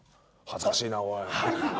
恥ずかしいなおい。